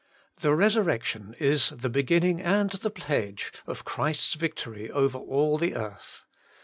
The resur rection is the beginning and the pledge of Christ's victory over all the earth.